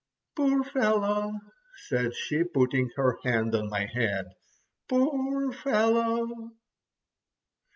"Poor fellow!" said she, putting her hand on my head, "poor fellow!"